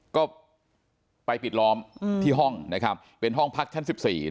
ก็ไปปิดล้อมที่ห้องนะครับเป็นห้องพักชั้น๑๔